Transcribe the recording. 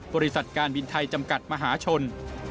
บริษัทการบินไทยจำกัดมหาชน